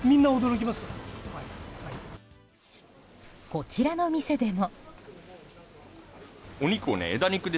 こちらの店でも。